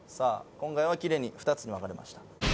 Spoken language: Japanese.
今回はきれいに２つに分かれました